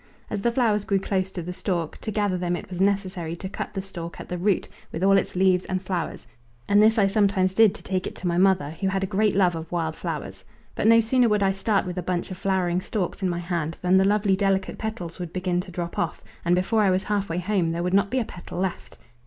As the flowers grew close to the stalk, to gather them it was necessary to cut the stalk at the root with all its leaves and flowers, and this I sometimes did to take it to my mother, who had a great love of wild flowers. But no sooner would I start with a bunch of flowering stalks in my hand than the lovely delicate petals would begin to drop off, and before I was half way home there would not be a petal left.